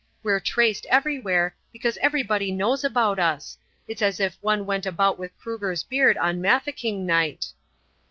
We're traced everywhere, because everybody knows about us. It's as if one went about with Kruger's beard on Mafeking Night."